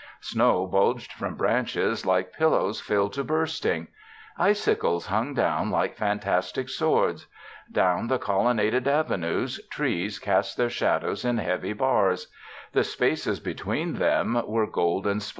Snow bulged from branches like pillows filled to bursting. Icicles hung down like fantastic swords. Down the colonnaded avenues trees cast their shadows in heavy bars; the spaces between them were golden splashes.